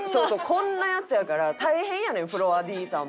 こんなやつやから大変やねんフロアＤさんも。